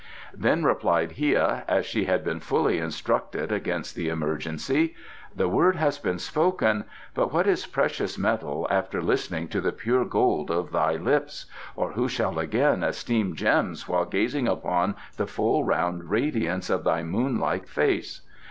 Then replied Hia, as she had been fully instructed against the emergency: "The word has been spoken. But what is precious metal after listening to the pure gold of thy lips, or who shall again esteem gems while gazing upon the full round radiance of thy moon like face?